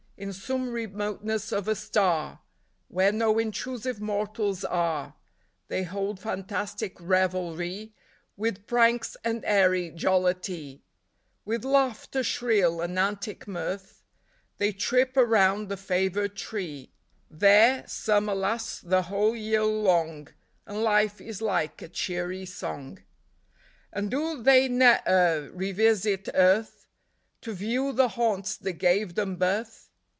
In some remoteness of a star, Where no intrusive mortals are, They hold fantastic revelry ; With pranks and airy jollity ; With laughter shrill, and antic mirth, They trip around the favored tree ; There summer lasts the whole year long, And life is like a cheery song. And do they ne'er revisit earth To view the haunts that gave them birth